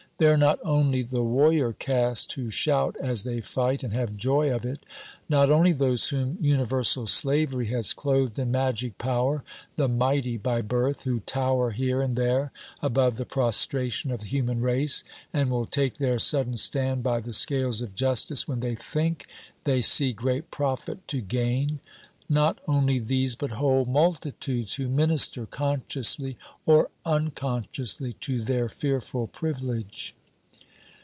They are not only the warrior caste who shout as they fight and have joy of it, not only those whom universal slavery has clothed in magic power, the mighty by birth, who tower here and there above the prostration of the human race and will take their sudden stand by the scales of justice when they think they see great profit to gain; not only these, but whole multitudes who minister consciously or unconsciously to their fearful privilege.